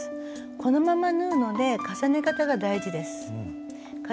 このまま縫うので重ね方が大事です。